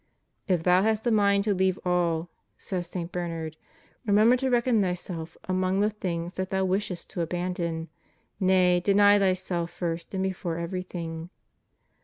"If thou hast a mind to leave all," says St. Bernard, "remember to reckon thyself among the things that thou wishest to abandon — nay, deny thyself first and before everything."